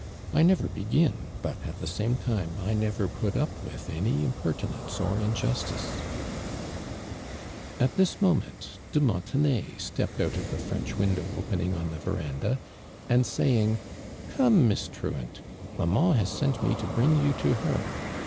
I never liegin. but. at the same time, I never \nit u[) with any impertinence or injustice !" At this moment, de Montenay stcpjierj out of the French window opening on tin verandah, and saying :"< 'ome. Miss Truant, maTuma has sent me to bring vou t) her."